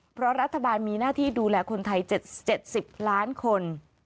เพราะรัฐบาลมีหน้าที่ดูแลคนไทย๗๐ล้านคน